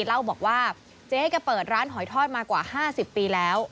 เล่าบอกว่าเจ๊แกเปิดร้านหอยทอดมากว่า๕๐ปีแล้ว